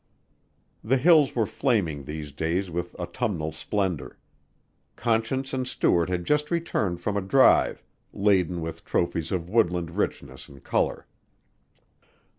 The hills were flaming these days with autumnal splendor. Conscience and Stuart had just returned from a drive, laden with trophies of woodland richness and color.